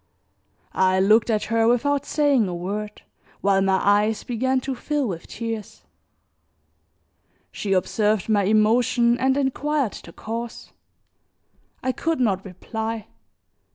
I looked at her without saying a word, while my eyes began to fill with tears; she observed my emotion and inquired the cause. I could not reply.